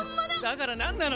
「だから何なの？」